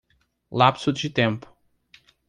Lapso de tempo